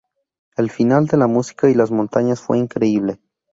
El final de la música y las montañas fue increíble.